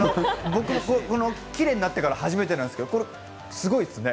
僕もキレイになってから初めてなんですけど、すごいですね。